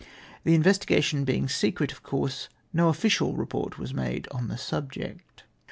The investigation being secret, of course no official report was made on the subject.